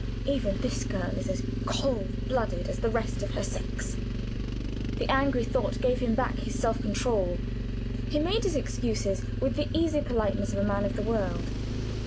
"Even this girl is as cold blooded as the rest of her sex!" That angry thought gave him back his self control. He made his excuses with the easy politeness of a man of the world.